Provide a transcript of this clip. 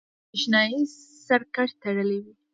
برېښنایي سرکټ تړلی وي.